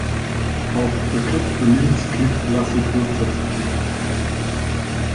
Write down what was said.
Auf verkürzte Links klickt Lasse grundsätzlich nicht.